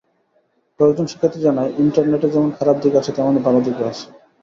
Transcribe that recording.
কয়েকজন শিক্ষার্থী জানায়, ইন্টারনেটে যেমন খারাপ দিক আছে, তেমনি ভালো দিকও আছে।